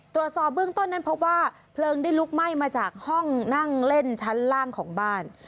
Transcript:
ตรวจสอบเบื้องต้นนั้นพบว่าเพลิงได้ลุกไหม้มาจากห้องนั่งเล่นชั้นล่างของบ้าน